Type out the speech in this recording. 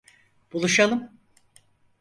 Buluşalım.